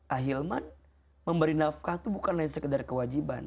ahilman memberi nafkah itu bukan hanya sekedar kewajiban